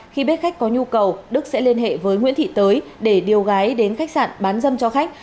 khi biết khách có nhu cầu đức sẽ liên hệ với nguyễn thị tới để điều gái đến khách sạn bán dâm cho khách